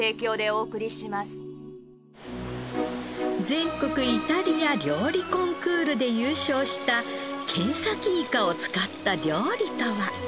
全国イタリア料理コンクールで優勝したケンサキイカを使った料理とは？